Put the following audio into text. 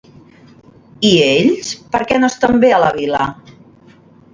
I ells, per què no estan bé a la vila?